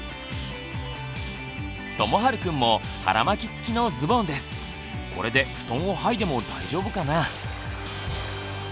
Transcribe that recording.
ともはるくんもこれで布団をはいでも大丈夫かな？